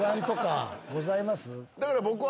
だから僕は。